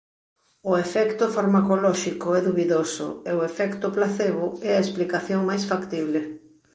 O efecto farmacolóxico é dubidoso e o efecto placebo é a explicación máis factible.